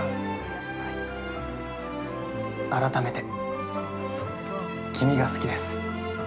改めて、君が好きです。